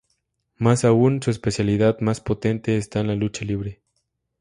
Más aún, su especialidad más potente está en la lucha libre.